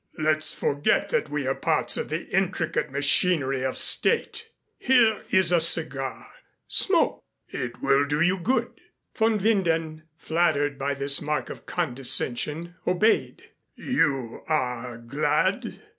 Let's forget that we are parts of the intricate machinery of State. Here is a cigar. Smoke. It will do you good." Von Winden, flattered by this mark of condescension, obeyed. "You are glad?"